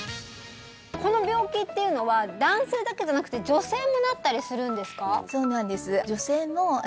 この病気っていうのは男性だけじゃなくて女性もなったりするんですか？